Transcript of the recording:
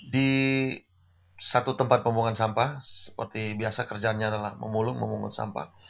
di satu tempat pembuangan sampah seperti biasa kerjaannya adalah memulung memungut sampah